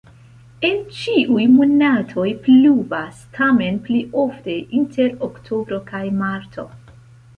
En ĉiuj monatoj pluvas, tamen pli ofte inter oktobro kaj marto.